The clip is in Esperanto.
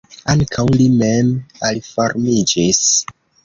Ankaŭ li mem aliformiĝis.